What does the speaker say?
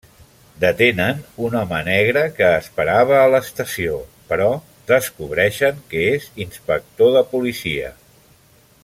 Detenen un home negre que esperava a l'estació, però descobreixen que és inspector de policia.